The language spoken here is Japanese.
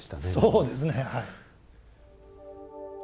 そうですねはい。